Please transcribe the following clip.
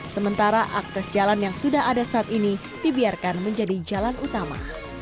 sementara akses jalan yang sudah ada saat ini dibiarkan menjadi jalan utama